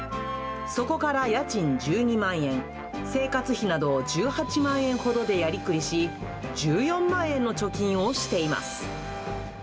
そこから家賃１２万円、生活費など１８万円ほどでやりくりし、１４万円の貯金をしています。